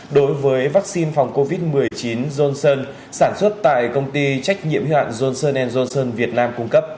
đối với vaccine phòng covid một mươi chín johnson sản xuất tại công ty trách nhiệm huyện johnson johnson việt nam